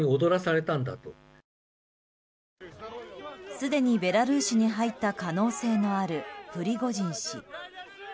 すでにベラルーシに入った可能性のあるプリゴジン氏。